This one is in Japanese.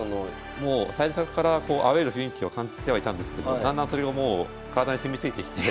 もう最初からアウェーの雰囲気を感じてはいたんですけどだんだんそれがもう体に染みついてきて。